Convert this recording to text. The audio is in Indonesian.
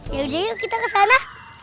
yaudah yuk kita ke sana